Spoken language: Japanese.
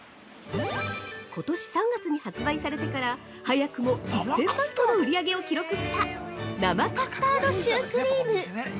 ことし３月に発売されてから、早くも１０００万個の売り上げを記録した生カスタードシュークリーム！